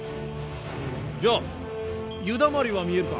じゃあ湯だまりは見えるか？